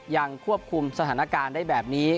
ยังควบคุมสถานการณ์ได้แบบนี้